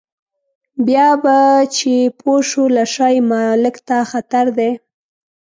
بیا به چې پوه شو له شا یې مالک ته خطر دی.